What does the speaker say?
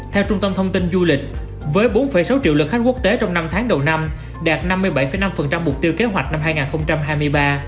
theo trung tâm thông tin du lịch với bốn sáu triệu lượt khách quốc tế trong năm tháng đầu năm đạt năm mươi bảy năm mục tiêu kế hoạch năm hai nghìn hai mươi ba